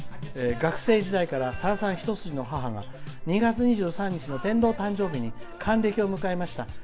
学生時代からさださん一筋の母が２月２２日の天皇誕生日に還暦を迎えました。